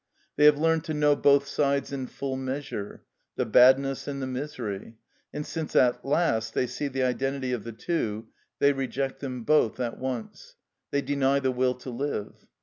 They have learned to know both sides in full measure, the badness and the misery; and since at last they see the identity of the two, they reject them both at once; they deny the will to live.